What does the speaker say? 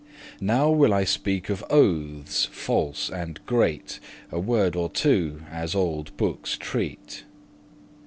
Now will I speak of oathes false and great A word or two, as olde bookes treat.